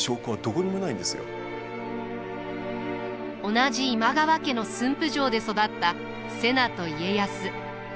同じ今川家の駿府城で育った瀬名と家康。